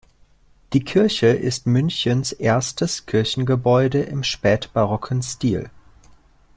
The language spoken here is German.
Die Kirche ist Münchens erstes Kirchengebäude im spätbarocken Stil.